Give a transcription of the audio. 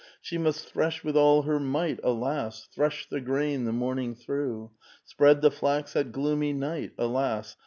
' She must thresh with all her might alas !— Thresh the grain the morning through ; Spread the flax at gloomy night, alas